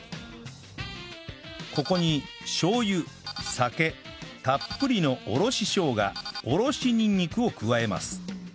ここにしょう油酒たっぷりのおろししょうがおろしニンニクを加えます